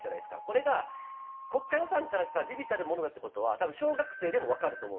これが国家予算からしたら微々たるものだって事は多分小学生でもわかると思うんですよ。